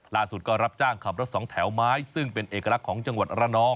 ก็รับจ้างขับรถสองแถวไม้ซึ่งเป็นเอกลักษณ์ของจังหวัดระนอง